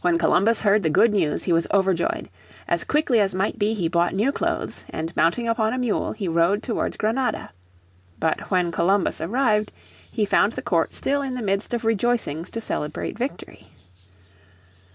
When Columbus heard the good news he was overjoyed. As quickly as might be he bought new clothes, and mounting upon a mule he rode towards Granada. But when Columbus arrived he found the court still in the midst of rejoicings to celebrate victory.